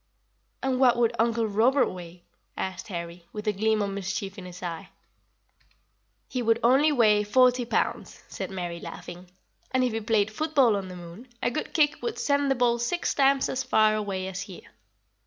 "And what would Uncle Robert weigh?" asked Harry, with a gleam of mischief in his eye. [Illustration: PLANET EARTH AND THE MOON.] "He would only weigh forty pounds," said Mary, laughing; "and if he played football on the moon, a good kick would send the ball six times as far away as here.